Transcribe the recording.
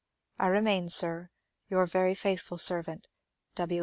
I remain, sir, Your very faithful servant, W.